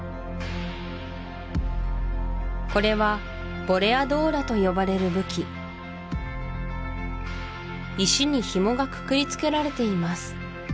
これはボレアドーラと呼ばれる武器石にひもがくくりつけられています